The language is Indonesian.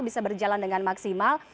bisa berjalan dengan maksimal